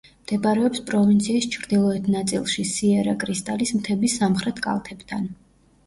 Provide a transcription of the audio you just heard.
მდებარეობს პროვინციის ჩრდილოეთ ნაწილში, სიერა-კრისტალის მთების სამხრეთ კალთებთან.